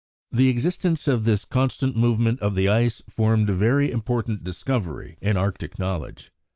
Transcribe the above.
The existence of this constant movement of the ice formed a very important discovery in Arctic knowledge.